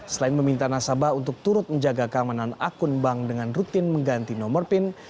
selain meminta nasabah untuk turut menjaga keamanan akun bank dengan rutin mengganti nomor pin